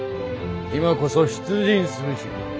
今こそ出陣すべし。